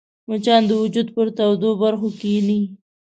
مچان د وجود پر تودو برخو کښېني